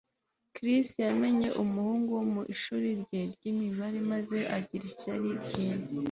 chris yamenye umuhungu wo mu ishuri rye ry'imibare maze agira ishyari ryinshi